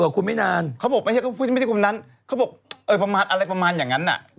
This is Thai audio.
โกรธเมื่อหนูพาออกไปกัน